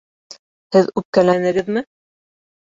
Һеҙ үпкәләнегеҙме?